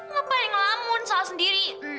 ngapain ngelamun salah sendiri